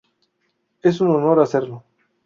Es un honor hacerlo.